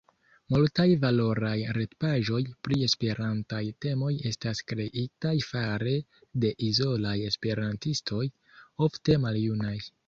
Multaj valoraj retpaĝoj pri esperantaj temoj estas kreitaj fare de izolaj esperantistoj, ofte maljunaj.